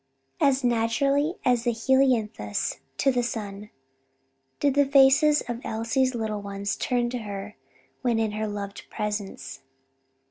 As naturally as the helianthus to the sun, did the faces of Elsie's little ones turn to her when in her loved presence.